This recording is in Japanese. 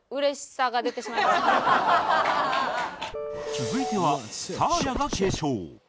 続いてはサーヤが継承